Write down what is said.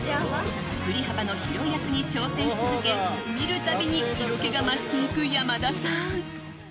振り幅の広い役に挑戦し続け見る度に色気が増していく山田さん。